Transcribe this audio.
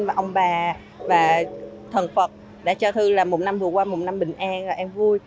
và ông bà và thần phật đã cho thư là mùng năm vừa qua mùng năm bình an và em vui